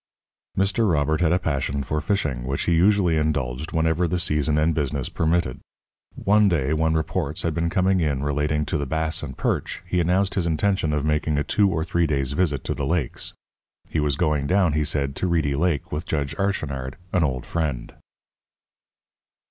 Mr. Robert had a passion for fishing, which he usually indulged whenever the season and business permitted. One day, when reports had been coming in relating to the bass and perch, he announced his intention of making a two or three days' visit to the lakes. He was going down, he said, to Reedy Lake with Judge Archinard, an old friend.